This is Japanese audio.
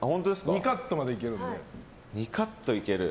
２カットまでいけるんで。